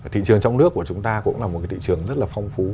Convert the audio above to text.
thị trường trong nước của chúng ta cũng là một cái thị trường rất là phong phú